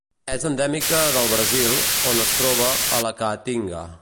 És endèmica del Brasil, on es troba a la Caatinga.